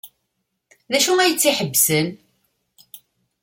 D acu ay tt-iḥebsen?